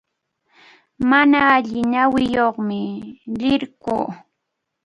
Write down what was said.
Mana allin ñawiyuqmi, lirqʼum.